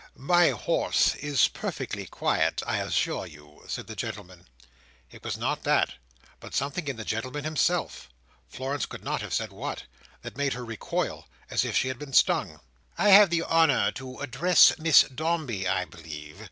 "My horse is perfectly quiet, I assure you," said the gentleman. It was not that, but something in the gentleman himself—Florence could not have said what—that made her recoil as if she had been stung. "I have the honour to address Miss Dombey, I believe?"